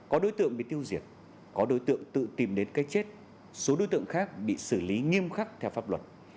có đối tượng bị tiêu diệt có đối tượng tự tìm đến cái chết số đối tượng khác bị xử lý nghiêm khắc theo pháp luật